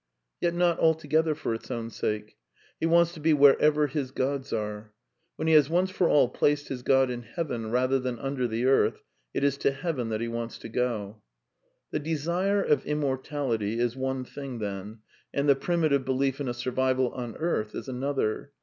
Yet not altogether for its own sake. He wants to be wherever his gods are. When he has once for all placed his god in heaven rather than under the earth, it is to heaven that he wants to go. The desire of immortality is one thing, then, and the primitive belief in a survival on earth is another.